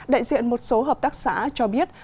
đại diện một số hợp tác xã cho biết